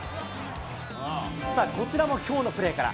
さあ、こちらもきょうのプレーから。